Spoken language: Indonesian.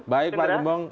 baik pak gembong